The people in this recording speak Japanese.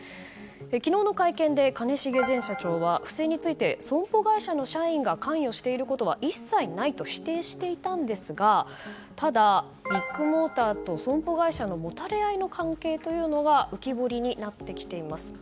昨日の会見で兼重前社長は不正について損保会社の社員が関与していることは一切ないと否定していたんですがただビッグモーターと損保会社のもたれ合いの関係が浮き彫りになってきています。